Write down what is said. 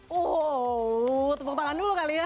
uh tepuk tangan dulu kali ya